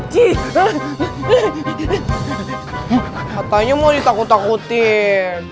katanya mau ditakut takutin